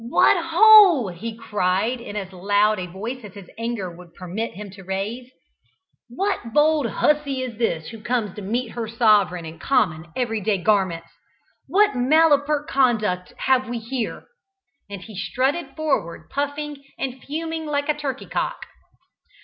"What ho!" he cried, in as loud a voice as his anger would permit him to raise. "What bold hussey is this who comes to meet her sovereign in common everyday garments? What malapert conduct have we here?" and he strutted forward puffing and fuming like a turkey cock.